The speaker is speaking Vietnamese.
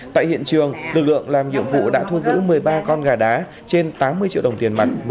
tại hiện trường lực lượng làm nhiệm vụ đã thu giữ một mươi ba con gà đá trên tám mươi triệu đồng tiền mặt